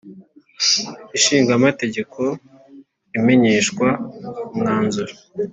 Ishinga Amategeko imenyeshwa umwanzuro